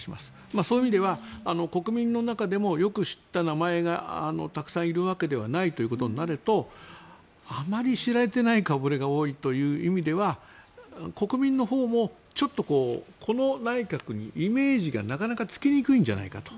そういう意味では国民の中でもよく知った名前がたくさんいるわけではないということになるとあまり知られていない顔触れが多いという意味では国民のほうもちょっとこの内閣にイメージがなかなかつきにくいんじゃないかと。